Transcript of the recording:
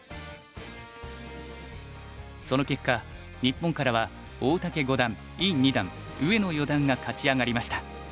その結果日本からは大竹五段伊二段上野四段が勝ち上がりました。